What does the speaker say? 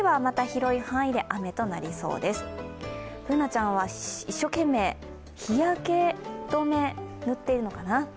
Ｂｏｏｎａちゃんは一生懸命、日焼け止め塗ってるのかな。